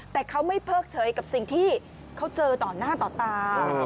แต่เขาไม่เพิกเฉยกับสิ่งที่เขาเจอต่อหน้าต่อตา